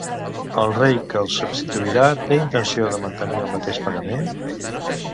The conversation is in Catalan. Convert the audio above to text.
El rei que el substituirà té intenció de mantenir el mateix pagament?